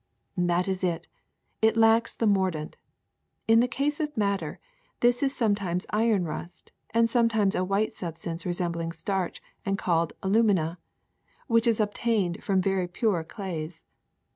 '''' That is it : it lacks the mordant. In the case of madder this is sometimes iron rust and sometimes a white substance resembling starch and called alumina, which is obtained from very pure clays.